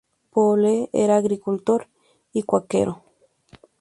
Poole era agricultor y cuáquero.